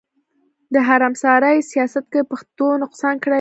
د حرم سرای سياست کې پښتنو نقصان کړی دی.